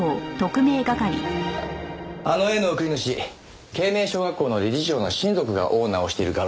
あの絵の送り主慶明小学校の理事長の親族がオーナーをしている画廊でした。